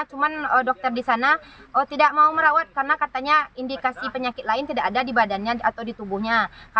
cuman dokter di sana tidak mau merawat karena katanya indikasi penyakit lain tidak ada di badannya atau di tubuhnya